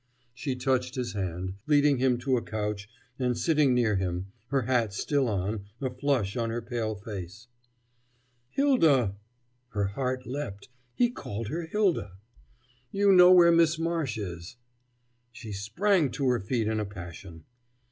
She touched his hand, leading him to a couch and sitting near him, her hat still on, a flush on her pale face. "Hylda" her heart leapt: he called her "Hylda"! "you know where Miss Marsh is." She sprang to her feet in a passion.